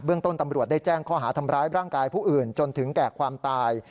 ต้นตำรวจได้แจ้งข้อหาทำร้ายร่างกายผู้อื่นจนถึงแก่ความตาย